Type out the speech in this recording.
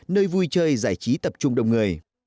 nơi vui chơi giải trí tập trung đông người